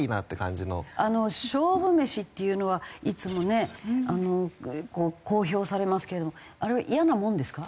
あの勝負メシっていうのはいつもね公表されますけれどあれは嫌なものですか？